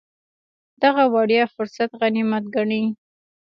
دغه وړیا فرصت غنیمت ګڼي.